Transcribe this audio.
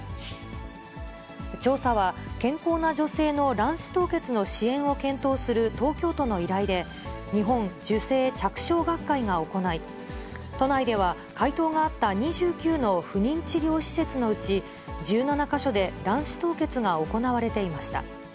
調査は、健康な女性の卵子凍結の支援を検討する東京都の依頼で、日本受精着床学会が行い、都内では回答があった２９の不妊治療施設のうち、１７か所で卵子凍結が行われていました。